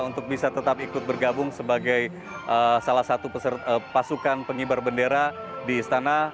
untuk bisa tetap ikut bergabung sebagai salah satu pasukan pengibar bendera di istana